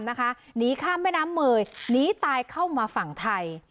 หนีข้ามแม่น้ำเมยหนีตายเข้ามาฝั่งไทย